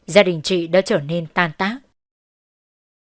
gia đình chị đã trở nên tan tác